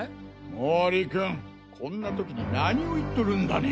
毛利君こんな時に何を言っとるんだね！！